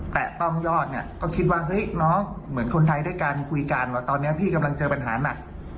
แต่ต้องยอดเนี่ยก็คิดว่าเฮ้ยน้องเหมือนคนไทยด้วยกันคุยกันว่าตอนนี้พี่กำลังเจอปัญหาหนัก